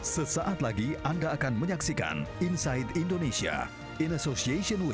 sesaat lagi anda akan menyaksikan inside indonesia in association with